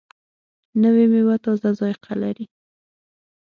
نوې میوه تازه ذایقه لري